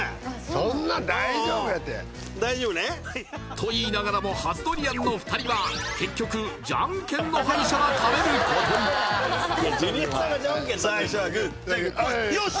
そんな大丈夫やてうんうん大丈夫ねと言いながらも初ドリアンの２人は結局じゃんけんの敗者が食べることに最初はグーじゃんけんぽいよし！